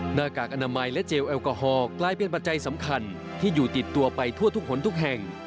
หน้ากากอนามัยและเจลแอลกอฮอล์กลายเป็นปัจจัยสำคัญที่อยู่ติดตัวไปทั่วทุกคนทุกแห่ง